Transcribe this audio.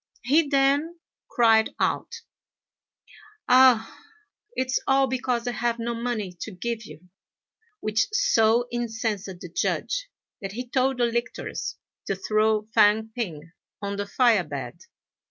He then cried out, "Ah! it's all because I have no money to give you;" which so incensed the Judge, that he told the lictors to throw Fang p'ing on the fire bed.